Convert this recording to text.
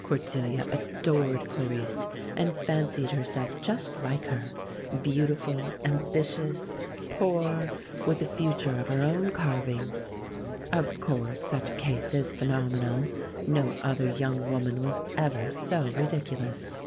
Cordelia adored Clarice and fancied herself just like her beautiful, ambitious, poor, with a future of her own carving. Of course such a case is phenomenal. No other young woman was ever so ridiculous.